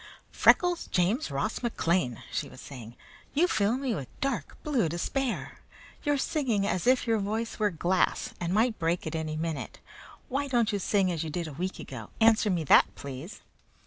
"Freckles James Ross McLean!" she was saying. "You fill me with dark blue despair! You're singing as if your voice were glass and might break at any minute. Why don't you sing as you did a week ago? Answer me that, please."